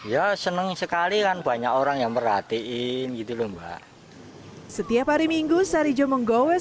ya seneng sekali kan banyak orang yang merhatiin gitu loh mbak setiap hari minggu sarijo menggowes